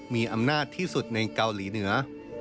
มีอำนาจที่สุดในเกาหลีเหนือ